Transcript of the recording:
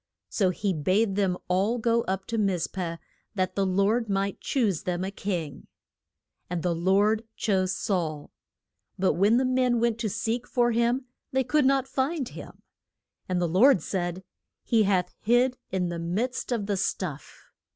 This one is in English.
So he bade them all go up to Miz peh that the Lord might choose them a king. [Illustration: SAUL IN HIS HID ING PLACE.] And the Lord chose Saul. But when the men went to seek for him, they could not find him. And the Lord said, He hath hid in the midst of the stuff.